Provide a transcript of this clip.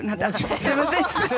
すいません。